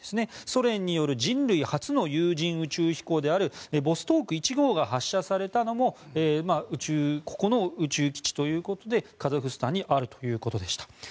ソ連による人類初の有人宇宙飛行であるボストーク１号が発射されたのもここの宇宙基地ということでカザフスタンにあるということでした。